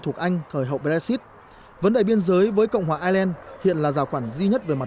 thuộc anh thời hậu brexit vấn đề biên giới với cộng hòa ireland hiện là rào quản duy nhất về mặt